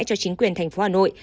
cho chính quyền thành phố hà nội